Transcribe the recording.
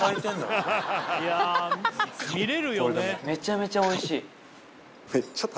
めちゃめちゃおいしい。